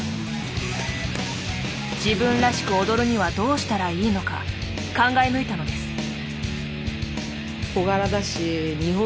自分らしく踊るにはどうしたらいいのか考え抜いたのです。